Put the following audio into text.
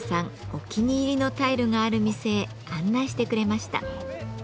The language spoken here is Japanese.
お気に入りのタイルがある店へ案内してくれました。